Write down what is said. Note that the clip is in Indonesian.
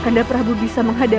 kau tidak harus merasa bersalah